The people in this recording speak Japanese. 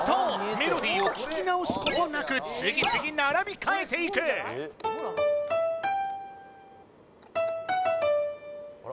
メロディを聴き直すことなく次々並び替えていく・あら？